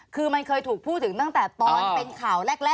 คือมันเคยถูกพูดถึงตั้งแต่ตอนเป็นข่าวแรก